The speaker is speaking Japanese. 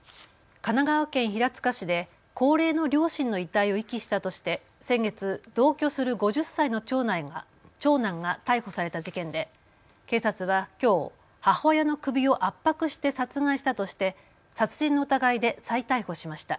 神奈川県平塚市で高齢の両親の遺体を遺棄したとして先月、同居する５０歳の長男が逮捕された事件で警察はきょう母親の首を圧迫して殺害したとして殺人の疑いで再逮捕しました。